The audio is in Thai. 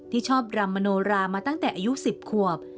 ที่ชอบรำมโนรามาตั้งแต่อายุ๑๐ขวบ